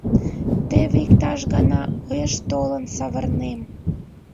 Теве иктаж гана уэш толын савырнем...